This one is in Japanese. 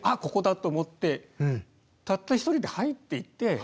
ここだと思ってたった一人で入っていって。